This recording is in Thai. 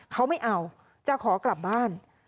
เขาไม่เอาจะขอกลับบ้าน